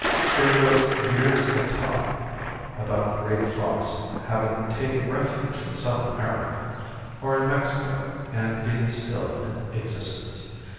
There was years of talk about the great flocks having "taken refuge in South America," or in Mexico, and being still in existence.